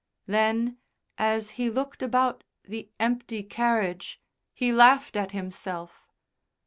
Then, as he looked about the empty carriage, he laughed at himself.